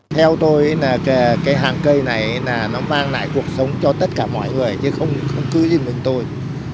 theo tôi cái hàng cây này nó mang lại cuộc sống cho tất cả mọi người chứ không cứ chỉ mình tôi